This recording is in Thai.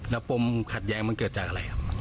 แล้วปมขัดแย้งมันเกิดจากอะไรครับ